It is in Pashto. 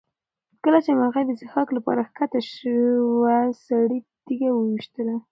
کله چې مرغۍ د څښاک لپاره کښته شوه سړي تیږه وویشتله.